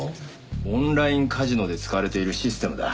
オンラインカジノで使われているシステムだ。